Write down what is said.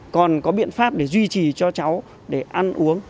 còn có biện pháp để duy trì cho cháu để ăn uống